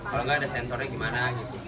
kalau nggak ada sensornya gimana gitu